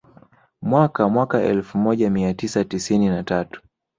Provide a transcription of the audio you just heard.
Mwaka mwaka elfu moja mia tisa tisini na tatu